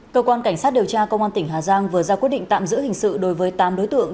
cơ quan cảnh sát điều tra công an tỉnh hà giang vừa ra quyết định tạm giữ hình sự đối với tám đối tượng